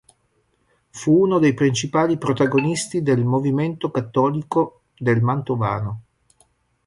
Fu uno dei principali protagonisti del movimento cattolico del mantovano.